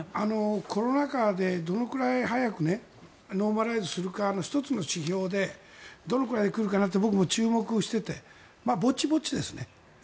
コロナ禍でどのくらい早くノーマライズするかの１つの指標でどのくらい来るかなと僕も注目しててぼちぼちですね。